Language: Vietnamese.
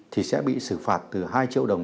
thì sẽ bị xử phạt từ hai triệu đồng